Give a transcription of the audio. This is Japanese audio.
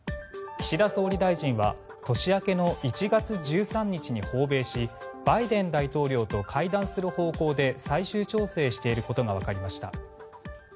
岸田総理大臣は年明けの１月１３日に訪米しバイデン大統領と会談する方向で最終調整していることがわかりました。